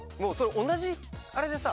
同じあれでさ。